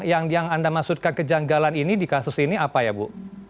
yang anda maksudkan kejanggalan ini di kasus ini apa ya bu